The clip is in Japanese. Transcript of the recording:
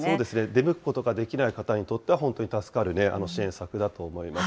出向くことができない方にとっては、本当に助かる支援策だと思います。